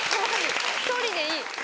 １人でいい。